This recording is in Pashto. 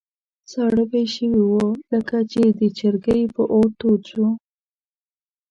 ساړه به یې شوي وو، لکه چې د چرګۍ په اور تود شو.